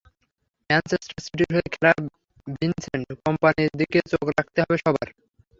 Manchester সিটির হয়ে খেলা ভিনসেন্ট কম্পানির দিকে চোখ রাখতে হবে সবার।